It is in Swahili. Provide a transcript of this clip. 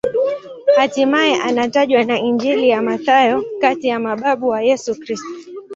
Hatimaye anatajwa na Injili ya Mathayo kati ya mababu wa Yesu Kristo.